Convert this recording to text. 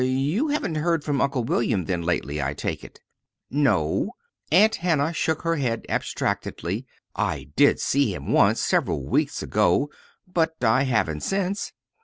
Er you haven't heard from Uncle William then, lately, I take it." "No." Aunt Hannah shook her head abstractedly. "I did see him once, several weeks ago; but I haven't, since.